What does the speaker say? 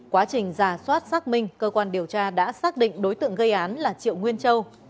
quá trình giả soát xác minh cơ quan điều tra đã xác định đối tượng gây án là triệu nguyên châu